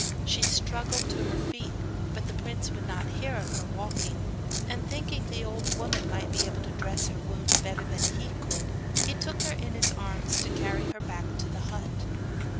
She struggled to her feet, but the prince would not hear of her walking, and thinking the old woman might be able to dress her wound better than he could, he took her in his arms to carry her back to the hut.